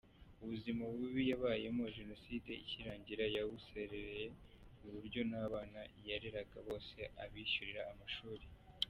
Ubuzima bubi yabayemo Jenoside ikirangira yarabusezereye ku buryo n’abana yareraga bose abishyurira amashuri.